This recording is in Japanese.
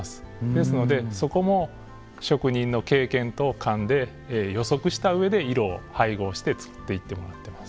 ですので、そこも職人の経験と勘で予測した上で色を配合して作っていってもらっています。